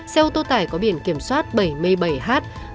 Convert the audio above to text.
xe ô tô tải có biển kiểm soát bảy mươi bảy h một trăm một mươi sáu